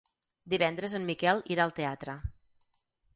Divendres en Miquel irà al teatre.